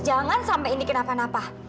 jangan sampai ini kenapa napa